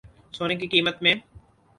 سونے کی قیمت میں